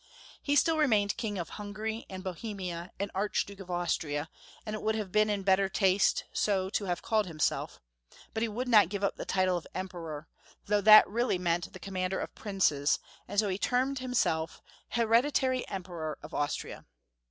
He still remained King of Hungary and Bo hemia and Archduke of Austria, and it would have been in better taste so to have called himself ; but he would not give up the title of Emperor, though that really meant the commander of princes, and so he termed himself Hereditary Emperor of Austria.